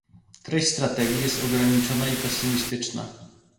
Treść strategii jest ograniczona i pesymistyczna